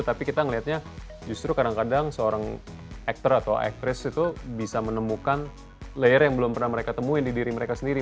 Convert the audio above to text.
tapi kita melihatnya justru kadang kadang seorang aktor atau aktris itu bisa menemukan layer yang belum pernah mereka temuin di diri mereka sendiri